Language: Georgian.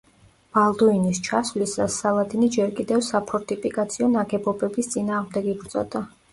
ბალდუინის ჩასვლისას სალადინი ჯერ კიდევ საფორტიფიკაციო ნაგებობების წინააღმდეგ იბრძოდა.